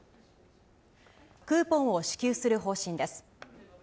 クーポンを支給する方針です。